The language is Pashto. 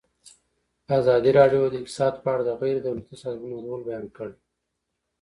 ازادي راډیو د اقتصاد په اړه د غیر دولتي سازمانونو رول بیان کړی.